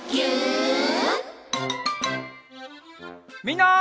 みんな。